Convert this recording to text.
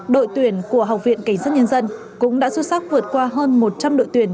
đội tuyển của học viện cảnh sát nhân dân cũng đã xuất sắc vượt qua hơn một trăm linh đội tuyển